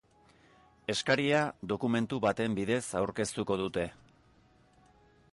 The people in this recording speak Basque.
Eskaria dokumentu baten bidez aurkeztuko dute.